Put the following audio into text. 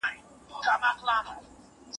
مسواک مه هیروئ.